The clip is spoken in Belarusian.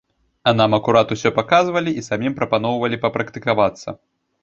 А нам акурат усё паказвалі і самім прапаноўвалі папрактыкавацца!